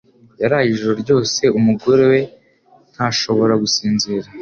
Yaraye ijoro ryose umugore we ntashobora gusinzira